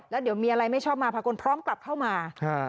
แล้วเดี๋ยวมีอะไรไม่ชอบมาพากลพร้อมกลับเข้ามา